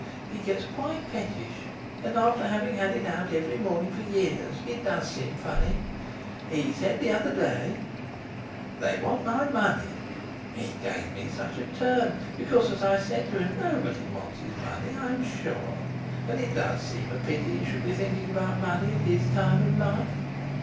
He gets quite pettish—and after having had it out every morning for years, it does seem funny. He said the other day: 'They want my money.' It gave me such a turn, because, as I said to him, nobody wants his money, I'm sure. And it does seem a pity he should be thinking about money at his time of life.